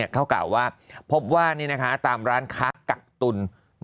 เขากล่าวว่าพบว่าตามร้านค้ากักตุล